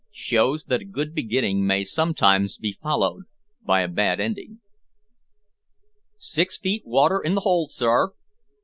SHOWS THAT A GOOD BEGINNING MAY SOMETIMES BE FOLLOWED BY A BAD ENDING. "Six feet water in the hold, sir!"